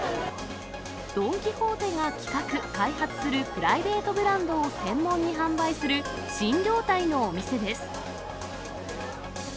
ドン・キホーテが企画、開発するプライベートブランドを専門に販売する新業態のお店です。